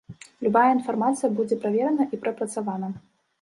Любая інфармацыя будзе праверана і прапрацавана.